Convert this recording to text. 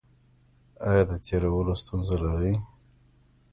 ایا د تیرولو ستونزه لرئ؟